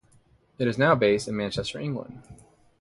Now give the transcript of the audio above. It is now based in Manchester, England.